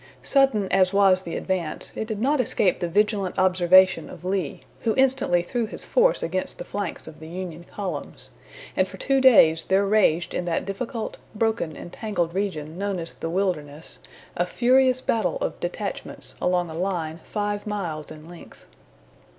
Sudden as was the advance, it did not escape the vigilant observation of Lee, who instantly threw his force against the flanks of the Union columns, and for two days there raged in that difficult, broken, and tangled region known as the Wilderness, a furious battle of detachments along a line five miles in length.